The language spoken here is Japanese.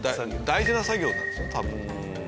大事な作業なんですね多分。